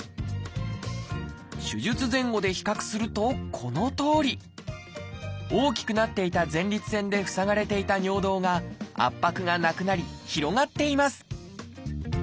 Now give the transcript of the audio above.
手術前後で比較するとこのとおり。大きくなっていた前立腺で塞がれていた尿道が圧迫がなくなり広がっています。